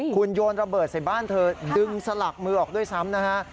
คุณโยนระเบิดใส่บ้านเธอดึงสลักมือออกด้วยซ้ำนะฮะ